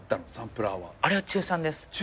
あれは中３です。